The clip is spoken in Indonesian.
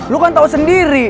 lo kan tau sendiri